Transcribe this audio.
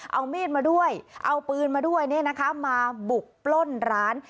เอามีดมาด้วยเอาปืนมาด้วยมาบุกปล้นร้าน